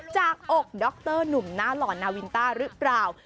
จากอกดรหนุ่มหน้าหล่อนาวินต้าหรือเปล่า